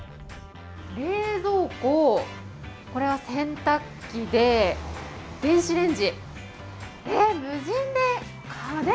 冷蔵庫、これは洗濯機で、電子レンジ。